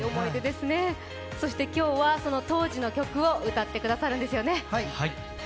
そして今日はその当時の曲を歌ってくださるんですよね。